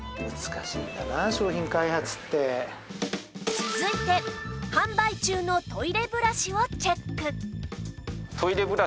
続いて販売中のトイレブラシをチェック